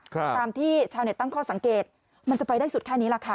ตามที่ชาวเน็ตตั้งข้อสังเกตมันจะไปได้สุดแค่นี้แหละค่ะ